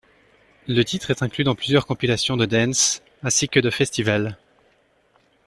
Le titre est inclus dans plusieurs compilations de Dance ainsi que de festivals.